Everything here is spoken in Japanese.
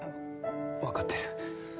わかってる。